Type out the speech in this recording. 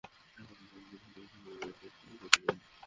তারপরেও নবী করীম সাল্লাল্লাহু আলাইহি ওয়াসাল্লাম ঘাবড়ে যাননি।